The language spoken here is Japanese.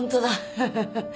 ハハハハッ。